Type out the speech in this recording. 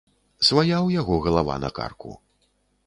Свая ў яго галава на карку.